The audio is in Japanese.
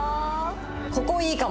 ここいいかも。